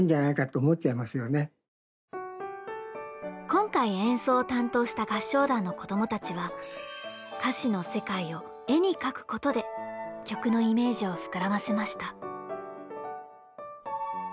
今回演奏を担当した合唱団の子どもたちは歌詞の世界を絵に描くことで曲のイメージを膨らませました。